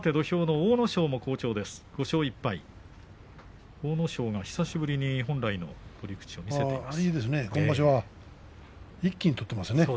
阿武咲が久しぶりに本来の取り口を見せています。